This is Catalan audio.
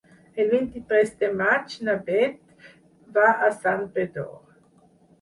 El vint-i-tres de maig na Beth va a Santpedor.